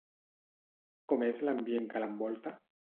Com és l'ambient que l'envolta?